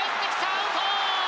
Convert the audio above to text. アウト！